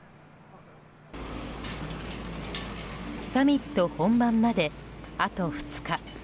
サミット本番まで、あと２日。